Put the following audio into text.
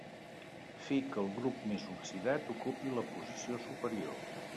Fer que el grup més oxidat ocupi la posició superior.